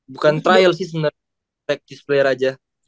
bukan trial sih sebenernya practice player aja